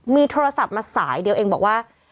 มีโทรศัพท์มาสายเดียวเองบอกว่า